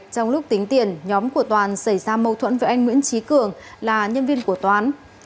trong lúc tính tiền nhóm của toàn xảy ra mâu thuẫn với anh nguyễn trí cường là nhân viên của toàn